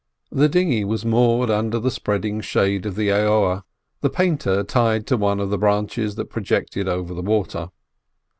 The dinghy was moored under the spreading shade of the aoa, the painter tied to one of the branches that projected over the water.